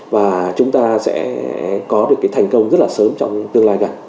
và chúng ta sẽ có được cái thành công rất là sớm trong tương lai gần